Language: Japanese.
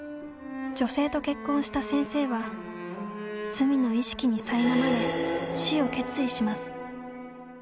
女性と結婚した先生は罪の意識にさいなまれ死を決意します。